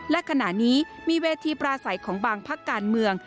และขณะนี้มีเวทีปราศัยของบางพักการเมือง